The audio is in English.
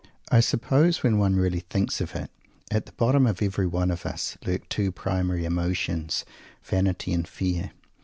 I suppose, when one really thinks of it, at the bottom of every one of us lurk two primary emotions vanity and fear.